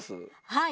はい。